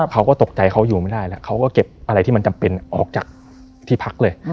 เขาก็ตกใจเขาอยู่ไม่ได้แล้วเขาก็เก็บอะไรที่มันจำเป็นออกจากที่พักเลย